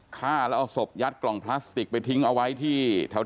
ท่านเทียนด่อยปากด่วยปหลวง